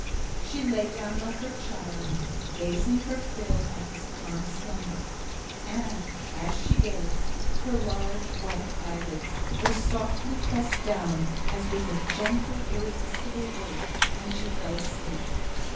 She lay down by her child, gazing her fill at his calm slumber; and as she gazed, her large white eyelids were softly pressed down as with a gentle irresistible weight, and she fell asleep.